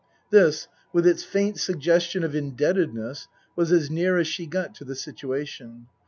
This, with its faint suggestion of indebtedness, was as near as she got to the situation.